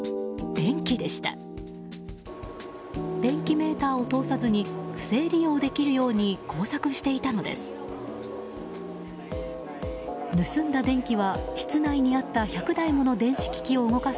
電気メーターを通さずに不正利用できるように工作していたのです。